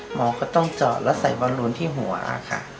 หมอก็ต้องเจาะแล้วใส่บอลลูนที่หัวค่ะ